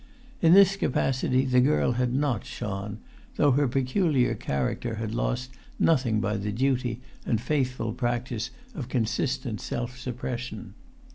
In this capacity the girl had not shone, though her peculiar character had lost nothing by the duty and[Pg 253] faithful practice of consistent self suppression.